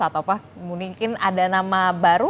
atau mungkin ada nama baru